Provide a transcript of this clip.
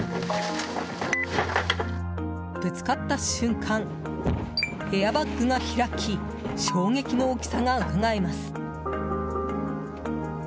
ぶつかった瞬間エアバッグが開き衝撃の大きさがうかがえます。